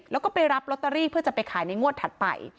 แล้วก็ไปรับลอตเตอรี่เพื่อจะไปขายในงวดถัดไป